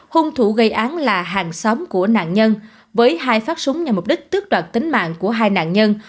hung thủ gây án là hàng xóm của nạn nhân với hai phát súng nhằm mục đích tước đoạt tính mạng của hai nạn nhân